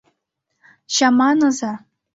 Чаманыза...